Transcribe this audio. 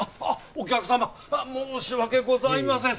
お客様申し訳ございません